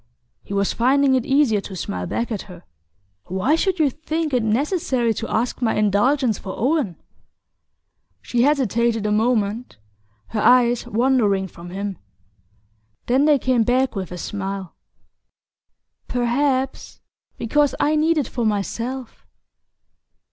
He was finding it easier to smile back at her. "Why should you think it necessary to ask my indulgence for Owen?" She hesitated a moment, her eyes wandering from him. Then they came back with a smile. "Perhaps because I need it for myself."